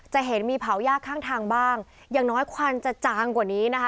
จะเห็นมีเผายากข้างทางบ้างอย่างน้อยควันจะจางกว่านี้นะคะ